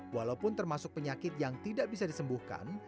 walaupun termasuk penyakit yang tidak bisa disembuhkan